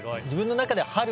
自分の中では。